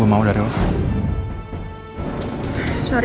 kamu yang menghamili elsa empat tahun yang lalu